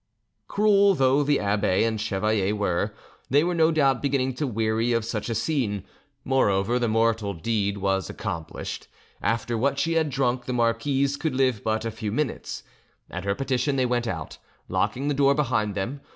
Cruel though the abbe and the chevalier were, they were no doubt beginning to weary of such a scene; moreover, the mortal deed was accomplished—after what she had drunk, the marquise could live but a few minutes; at her petition they went out, locking the door behind them.